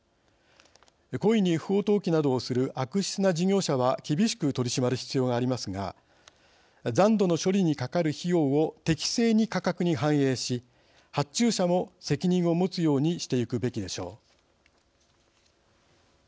故意に不法投棄などをする悪質な事業者は厳しく取り締まる必要がありますが残土の処理にかかる費用を適正に価格に反映し発注者も責任を持つようにしていくべきでしょう。